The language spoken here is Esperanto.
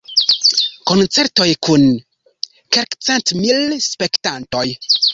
Koncertoj kun kelkcentmil spektantoj.